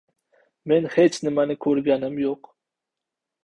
Men hech nimani ko‘rganim yo‘q.